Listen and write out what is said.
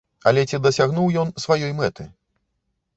Але ці дасягнуў ён сваёй мэты?